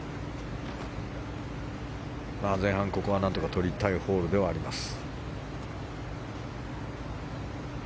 前半、ここは何とかとりたいホールではあります。